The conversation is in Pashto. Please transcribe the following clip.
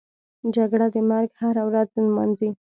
جګړه د مرګ هره ورځ نمانځي